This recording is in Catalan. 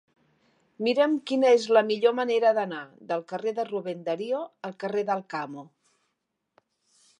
Mira'm quina és la millor manera d'anar del carrer de Rubén Darío al carrer d'Alcamo.